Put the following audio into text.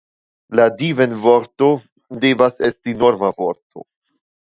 La divenvorto devas esti norma vorto.